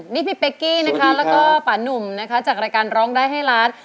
นี่พี่เป๊กกี้นะคะแล้วก็ป่านุ่มนะคะจากรายการร้องได้ให้ล้าน